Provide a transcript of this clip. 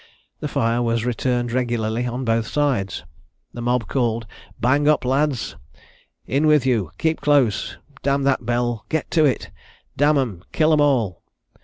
The fire was returned regularly on both sides. The mob called, "Bang up, lads! in with you! keep close! damn that bell! get to it! damn 'em, kill 'em all!"